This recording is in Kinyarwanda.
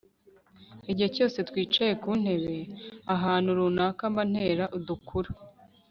igihe cyose twicaye ku ntebe ahantu runaka mba ntera udukuru